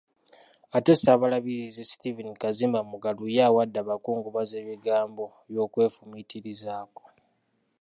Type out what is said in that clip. Ate Ssaabalabirizi Stephen Kazimba Mugalu ye awadde abakungubazi ebigambo by'okwefumiitirizaako.